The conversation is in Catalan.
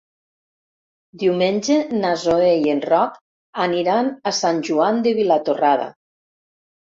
Diumenge na Zoè i en Roc aniran a Sant Joan de Vilatorrada.